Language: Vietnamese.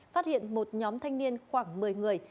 phát hiện một nhóm thanh niên khoảng một mươi người